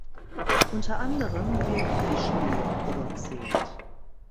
Unter anderem wird Fischmehl produziert.